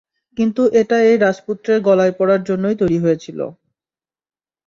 কিন্তু এটা এই রাজপুত্রের গলায় পরার জন্যই তৈরি হয়েছিল।